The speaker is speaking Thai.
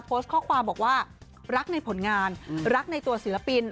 โพสต์ข้อความบอกว่ารักในผลงานรักในตัวศิลปิน